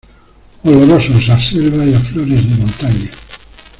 Olorosos a selva y a flores de montaña.